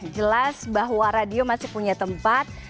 jelas bahwa radio masih punya tempat